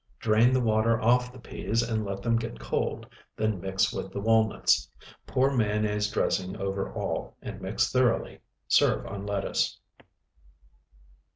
Drain the water off the peas, and let them get cold; then mix with the walnuts. Pour mayonnaise dressing over all, and mix thoroughly. Serve on lettuce.